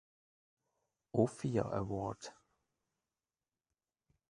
Ophir Award